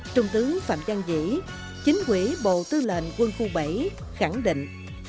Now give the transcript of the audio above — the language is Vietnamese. trung tướng phạm văn vĩ chính quỹ bộ tư lệnh quân khu bảy khẳng định